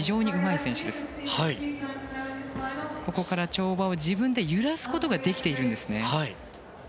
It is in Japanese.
着手から跳馬を自分で揺らすことができているんですよね。